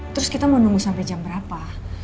terus kita mau nunggu sampai jam berapa